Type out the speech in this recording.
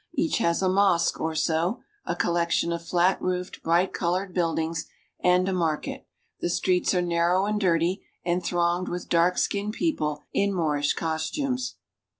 Each has a mosque or so, a collection of flat roofed, bright colored build ings, and a market. The streets are narrow and dirty, and thronged with dark skinned people in Moorish costumes.